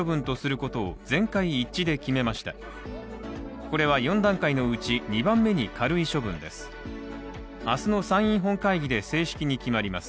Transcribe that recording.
これは４段階のうち、２番目に軽い処分です。